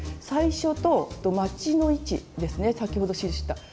最初とまちの位置ですね先ほど印した。